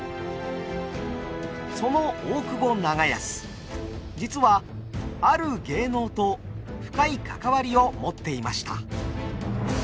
その大久保長安実はある芸能と深い関わりを持っていました。